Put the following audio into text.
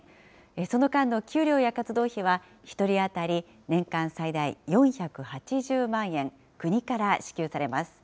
その間の給料や活動費は、１人当たり年間最大４８０万円、国から支給されます。